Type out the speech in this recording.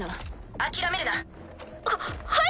諦めるな。ははい！